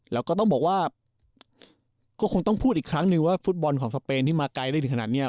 แล้วก็ต้องบอกว่าก็คงต้องพูดอีกครั้งนึงว่าฟุตบอลของสเปนที่มาไกลได้ถึงขนาดนี้